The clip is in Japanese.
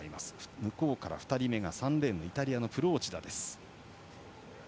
向こうから２人目がイタリアのプローチダです。